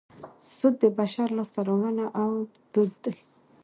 سود د بشر لاسته راوړنه او دود دی